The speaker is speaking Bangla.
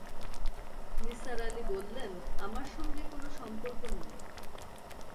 নিসার আলি বললেন, আমার সঙ্গে কোনো সম্পর্ক নেই।